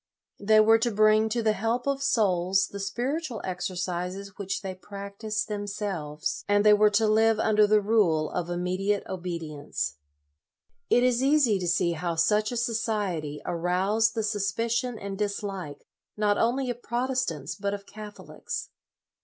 They were to bring to the help of souls the Spiritual Exercises which they practised themselves, and they were to live under the rule of immediate obedience. 72 LOYOLA It is easy to see how such a society aroused the suspicion and dislike, not only of Protestants, but of Catholics.